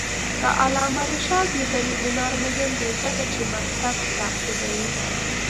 د علامه رشاد لیکنی هنر مهم دی ځکه چې مکتب تعقیبوي.